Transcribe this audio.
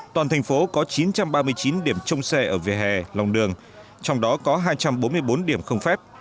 toàn thành phố có chín trăm ba mươi chín điểm trông xe ở vỉa hè lòng đường trong đó có hai trăm bốn mươi bốn điểm không phép